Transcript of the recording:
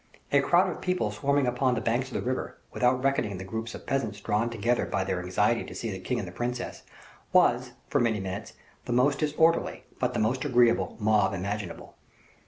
A crowd of people swarming upon the banks of the river, without reckoning the groups of peasants drawn together by their anxiety to see the king and the princess, was, for many minutes, the most disorderly, but the most agreeable, mob imaginable.